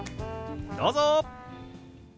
どうぞ！